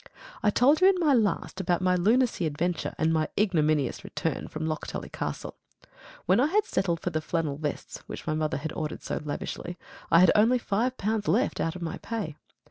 I told you in my last about my lunacy adventure and my ignominious return from Lochtully Castle. When I had settled for the flannel vests which my mother had ordered so lavishly I had only five pounds left out of my pay.